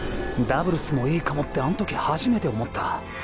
ダブルスもいいかもってあんとき初めて思った。